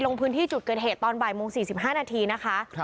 ลงพื้นที่จุดเกิดเหตุตอนบ่ายโมง๔๕นาทีนะคะ